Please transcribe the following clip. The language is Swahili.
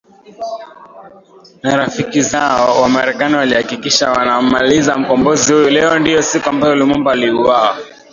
na rafiki zao Wamerekani walihakikisha wanammaliza mkombozi huyu Leo ndio siku ambayo Lumumba aliuwawa